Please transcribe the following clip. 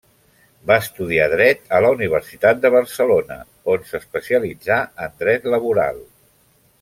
Va estudiar dret a la Universitat de Barcelona, on s'especialitzà en dret laboral.